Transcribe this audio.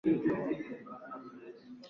Subiri kidogo.